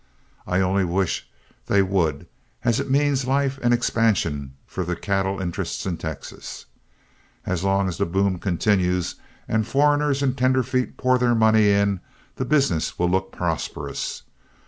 I only wish they would, as it means life and expansion for the cattle interests in Texas. As long as the boom continues, and foreigners and tenderfeet pour their money in, the business will look prosperous.